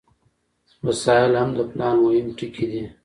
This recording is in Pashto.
وسایل هم د پلان مهم ټکي دي.